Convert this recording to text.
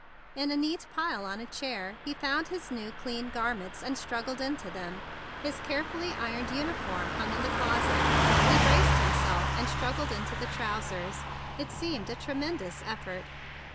In a neat pile on a chair he found his few clean garments, and struggled into them. His carefully ironed uniform hung in the closet; and he braced him¬ self, and struggled into the trousers. It seemed a tremendous effort.